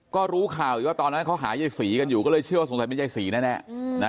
ก็รู้ข่าวอยู่ว่าตอนนั้นเขาหายายศรีกันอยู่ก็เลยเชื่อว่าสงสัยเป็นยายศรีแน่นะ